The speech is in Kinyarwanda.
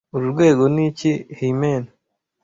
uru rwego n'iki hymen